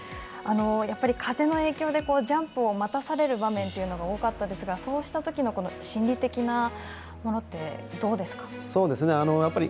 風の影響でジャンプを待たされる場面というのが多かったですがそうしたときの心理的なものってどうですか。